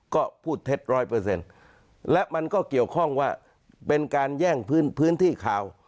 ก็พูดเท็จร้อยเปอร์เซ็นต์และมันก็เกี่ยวข้องว่าเป็นการแย่งพื้นที่ข่าว